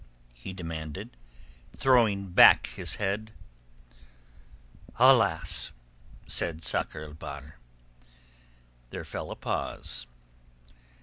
he demanded, throwing back his head. "Alas!" said Sakr el Bahr. There fell a pause.